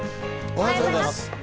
おはようございます。